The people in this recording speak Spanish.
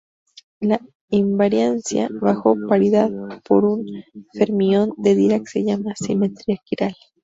La invariancia bajo paridad por un fermión de Dirac se llama "simetría quiral".